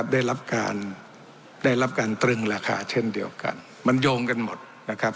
ได้รับการได้รับการตรึงราคาเช่นเดียวกันมันโยงกันหมดนะครับ